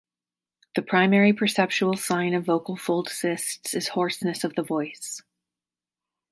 The primary perceptual sign of vocal fold cysts is hoarseness of the voice.